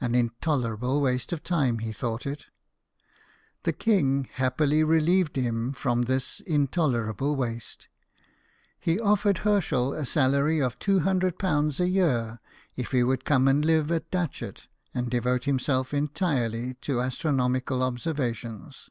"An intolerable waste of time," he thought it. The king happily relieved him from this intolerable waste. He offered Herschel a salary of ^200 a year if he would come and live at Datchet, and devote himself entirely to astronomical observations.